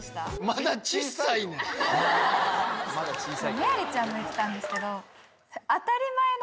芽亜里ちゃんも言ってたんですけど。